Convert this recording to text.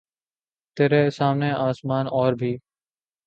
ترے سامنے آسماں اور بھی